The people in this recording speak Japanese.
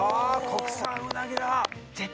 国産うなぎだ！